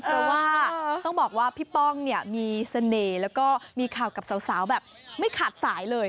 เพราะว่าต้องบอกว่าพี่ป้องเนี่ยมีเสน่ห์แล้วก็มีข่าวกับสาวแบบไม่ขาดสายเลย